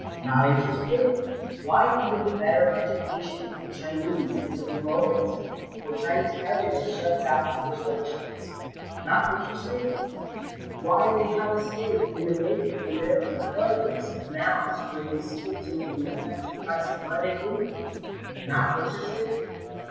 Not interested ? Why even the better education of the Chinese is of moment to them, for Chinese prejudice shuts out English merchants. Not interested? Why they have a stake in the making of American railways and canals, for these ultimately affect the price of bread in England. Not interested